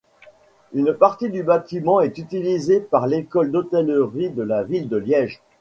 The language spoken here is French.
Une partie du bâtiment est utilisée par l'école d'hôtellerie de la Ville de Liège.